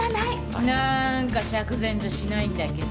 なんか釈然としないんだけど。